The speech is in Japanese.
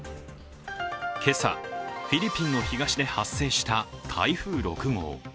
今朝、フィリピンの東で発生した台風６号。